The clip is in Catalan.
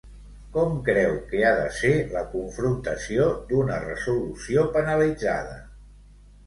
Com creu que ha de ser la confrontació d'una resolució penalitzada?